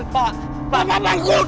pak pak pak bangun